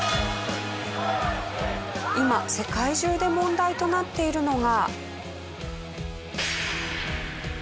今世界中で問題となっているのが。